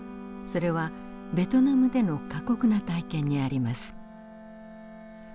それはベトナムでの過酷な体験にあります。